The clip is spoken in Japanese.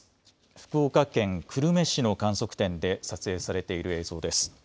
福岡県久留米市の観測点で撮影されている映像です。